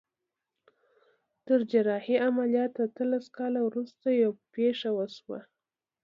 تر جراحي عمليات اتلس کاله وروسته يوه پېښه وشوه.